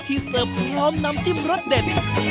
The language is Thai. เสิร์ฟพร้อมน้ำจิ้มรสเด็ด